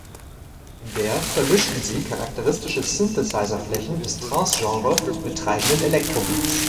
In der vermischten sie charakteristische Synthesizer-Flächen des Trance-Genre mit treibenden Elektro-Beats.